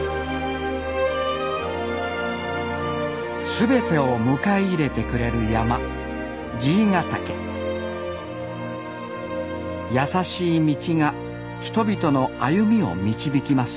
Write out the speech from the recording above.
全てを迎え入れてくれる山爺ヶ岳やさしい道が人々の歩みを導きます